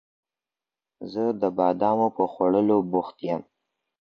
زه د بادامو په خوړلو بوخت یم.